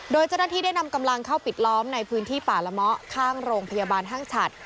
โดยเจ้าหน้าที่ได้นำกำลังเข้าปิดล้อมในพื้นที่ป่าละเมาะข้างโรงพยาบาลห้างฉัด